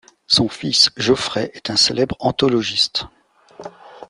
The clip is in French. Son fils, Geoffrey, est un célèbre anthologiste.